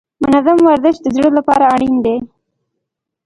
منظم ورزش د زړه لپاره اړین دی.